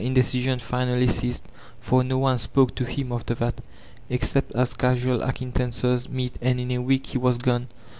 the indecision finally ceased; for no one spoke to him after that, except as casual acquaintances meet, and in a wedc he was gone.